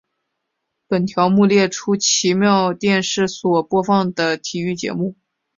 本条目列出奇妙电视所播放的体育节目。